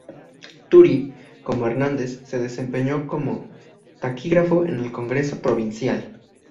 Turi, como Hernández, se desempeñó como taquígrafo del Congreso provincial.